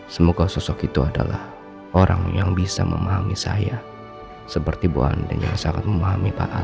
semoga sosok itu adalah orang yang bisa memahami saya seperti bu ani yang sangat memahami pak andi